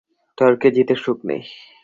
তর্কে জিতে সুখ নেই।